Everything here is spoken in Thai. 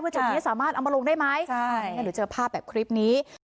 ว่าจุดนี้สามารถเอามาลงได้ไหม